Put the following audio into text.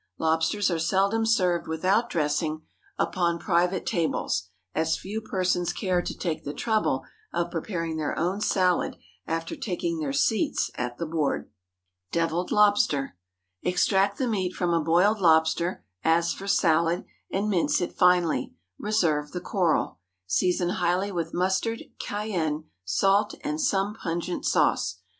Lobsters are seldom served without dressing, upon private tables, as few persons care to take the trouble of preparing their own salad after taking their seats at the board. DEVILLED LOBSTER. Extract the meat from a boiled lobster, as for salad, and mince it finely; reserve the coral. Season highly with mustard, cayenne, salt, and some pungent sauce.